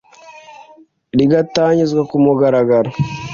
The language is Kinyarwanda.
rigatangizwa ku mugaragaro